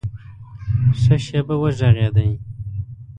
ښه شېبه وږغېدی !